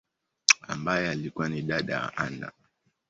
ambaye alikua ni dada wa Anna.